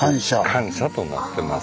官舎となってます。